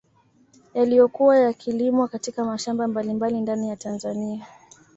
Yaliyokuwa yakilimwa katika mashamba mbalimbali ndani ya Tanzania